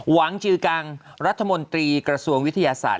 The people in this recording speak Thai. จือกังรัฐมนตรีกระทรวงวิทยาศาสตร์